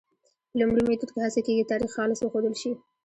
په لومړي میتود کې هڅه کېږي تاریخ خالص وښودل شي.